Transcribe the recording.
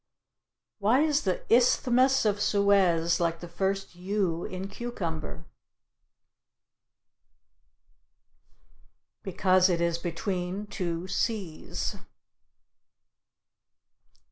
Why is the Isthmus of Suez like the first "u" in cucumber? Because it is between two "c's" (seas).